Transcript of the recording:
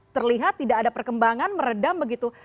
terlihat tidak ada perkembangan meredam begitu